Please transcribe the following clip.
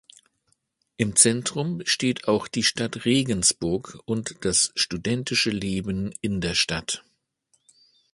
Im Zentrum steht auch die Stadt Regensburg und das studentische Leben in der Stadt.